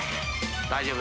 大丈夫？］